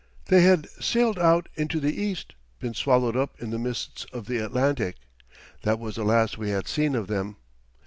They had sailed out into the East, been swallowed up in the mists of the Atlantic that was the last we had seen of them.